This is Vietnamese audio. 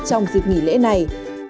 trong dịp nghỉ lễ này